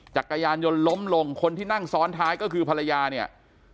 จักรยานยนต์ล้มลงคนที่นั่งซ้อนท้ายก็คือภรรยาเนี่ย